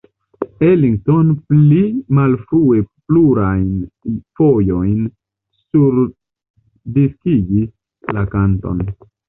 Ellington pli malfrue plurajn fojojn surdiskigis la kanton.